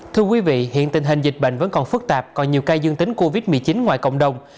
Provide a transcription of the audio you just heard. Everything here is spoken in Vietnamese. thưa quý vị hiện tình hình dịch bệnh vẫn còn phức tạp còn nhiều ca dương tính covid một mươi chín ngoài cộng đồng